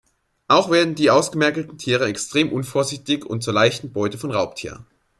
Auch werden die ausgemergelten Tiere extrem unvorsichtig und zur leichten Beute von Raubtieren.